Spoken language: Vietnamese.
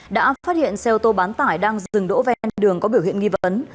đã phát hiện xe ô tô bán tải đang dừng đỗ ven đường có biểu hiện nghi vấn